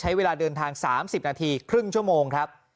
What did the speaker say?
ใช้เวลาเดินทาง๓๐นาทีครึ่งชั่วโมงครับ